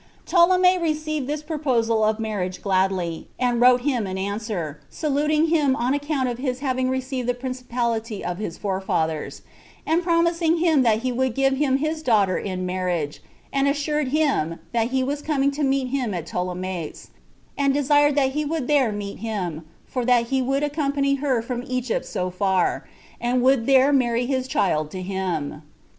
Ptolemy received this proposal of marriage gladly; and wrote him an answer, saluting him on account of his having received the principality of his forefathers; and promising him that he would give him his daughter in marriage; and assured him that he was coming to meet him at Ptolemais, and desired that he would there meet him, for that he would accompany her from Egypt so far, and would there marry his child to him.